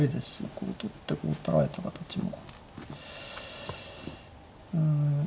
こう取ってこう取られた形もうん。